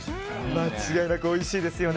間違いなくおいしいですよね。